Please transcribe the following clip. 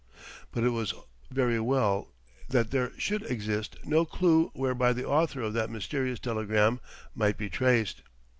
But it was very well that there should exist no clue whereby the author of that mysterious telegram might be traced....